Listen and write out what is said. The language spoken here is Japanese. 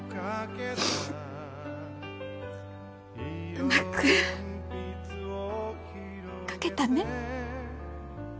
うまく描けたね。